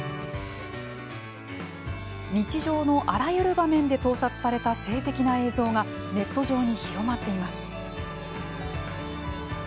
日常のあらゆる場面で盗撮された性的な映像がネット上に広まっています。